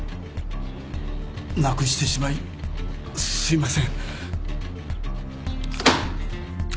なくしてしまいすいません。